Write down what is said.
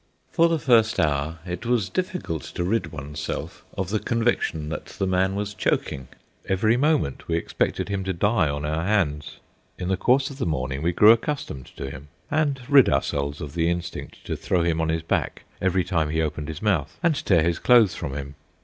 For the first hour it was difficult to rid one's self of the conviction that the man was choking. Every moment we expected him to die on our hands. In the course of the morning we grew accustomed to him, and rid ourselves of the instinct to throw him on his back every time he opened his mouth, and tear his clothes from him.